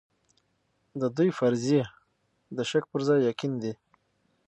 د دوی فرضيې د شک پر ځای يقين دي.